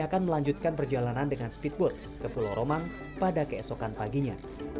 akan melanjutkan perjalanan dengan speedboat ke pulau romang pada keesokan paginya